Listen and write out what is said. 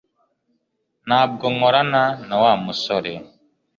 Ntabwo nkorana na Wa musore